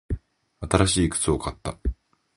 新しい靴を買った。